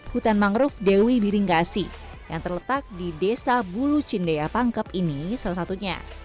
hutan mangrove dewi biringkasi yang terletak di desa bulu cindea pangkep ini salah satunya